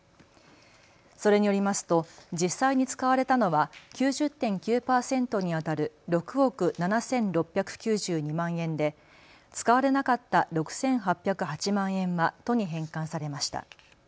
それによりますと実際に使われたのは９０．９％にあたる６億７６９２万円で使われなかった６８０８万円は都に返還されました。